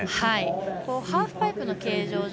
ハーフパイプの形状